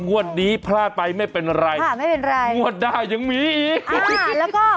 งวดนี้พลาดไปไม่เป็นไรงวดได้ยังมีอีกค่ะไม่เป็นไร